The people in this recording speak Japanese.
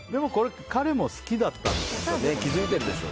彼も好きだったんでしょうね。